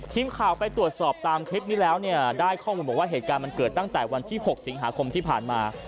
ทีมข่าวไปตรวจสอบตามคลิปนี้แล้วเนี่ยได้ข้อมูลบอกว่าเหตุการณ์มันเกิดตั้งแต่วันที่๖สิงหาคมที่ผ่านมา